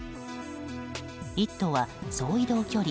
「イット！」は総移動距離